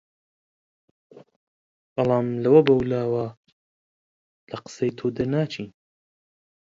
بەڵام لەوە بەولاوە لە قسەی تۆ دەرناچین